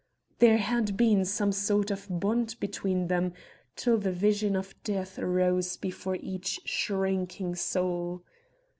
There had been some sort of bond between them till the vision of death rose before each shrinking soul.